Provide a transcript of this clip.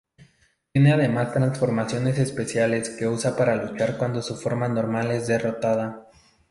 Tiene además transformaciones especiales que usa para luchar cuando su forma normal es derrotada.